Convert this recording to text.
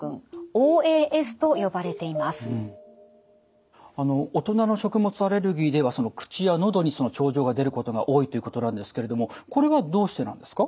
大人の食物アレルギーでは口やのどに症状が出ることが多いということなんですけれどもこれはどうしてなんですか？